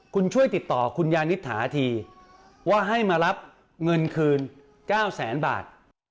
คุณช่วยติดต่อคุณยานิษฐาทีว่าให้มารับเงินคืน๙แสนบาท